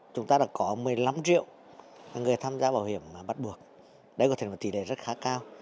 chúng ta đã có một mươi năm triệu người tham gia bảo hiểm bắt buộc đây có thể là tỷ lệ rất khá cao